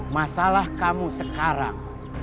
masalah kamu sekarang